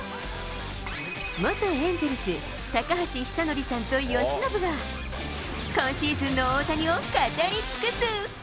元エンゼルス、高橋尚成さんと由伸が、今シーズンの大谷を語り尽くす。